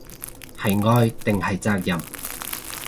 係愛定係責任